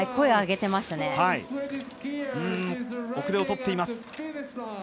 遅れをとっています。